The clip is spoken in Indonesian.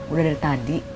udah dari tadi